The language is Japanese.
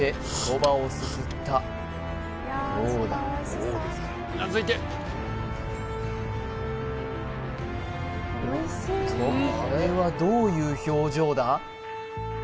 おっとこれはどういう表情だ？